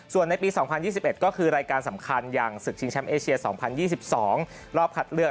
ส่วนในปี๒๐๒๑ก็คือรายการสำคัญอย่างศึกชิงแชมป์เอเชีย๒๐๒๒รอบคัดเลือก